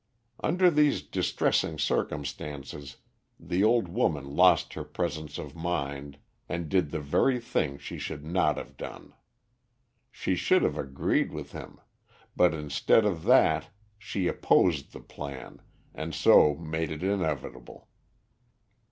Under these distressing circumstances the old woman lost her presence of mind and did the very thing she should not have done. She should have agreed with him, but instead of that she opposed the plan and so made it inevitable.